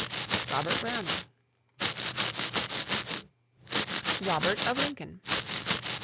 ROBERT BROWNING. ROBERT OF LINCOLN.